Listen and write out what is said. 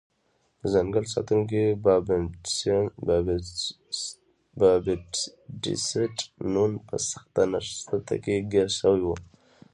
د ځنګل ساتونکی بابټیست نون په سخته نښته کې ګیر شوی و.